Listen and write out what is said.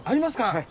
はい。